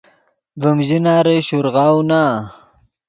ڤیم ژناری شورغاؤو نا